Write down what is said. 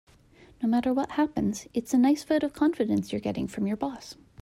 No matter what happens, it's a nice vote of confidence you're getting from your boss.